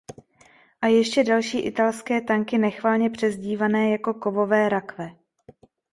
A ještě další italské tanky nechvalně přezdívané jako kovové rakve.